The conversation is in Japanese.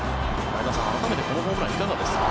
前田さん、改めてこのホームランいかがですか？